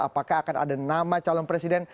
apakah akan ada nama calon presiden